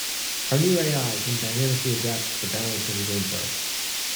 Our new AI can dynamically adapt the balance of the gameplay.